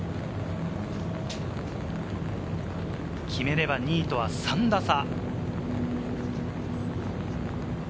決めれば２位とは３打差。